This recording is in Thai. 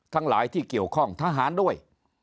ทั้งหลายที่เกี่ยวข้องทหารด้วย